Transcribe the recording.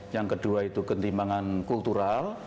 yang kedua itu ketimbangan kultural